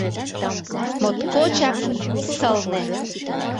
Моткочак сылне.